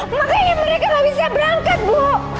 pak poli makanya mereka gak bisa berangkat bu